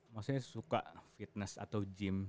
maksudnya suka fitness atau gym